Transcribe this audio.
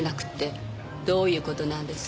どういう事なんです？